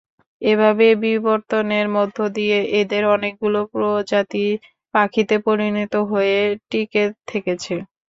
এভাবে বিবর্তনের মধ্য দিয়ে এদের অনেকগুলো প্রজাতি পাখিতে পরিণত হয়ে টিকে থেকেছে।